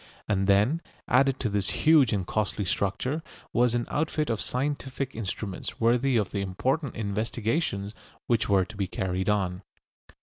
And then, added to this huge and costly structure, was an outfit of scientific instruments worthy of the important investigations which were to be carried on.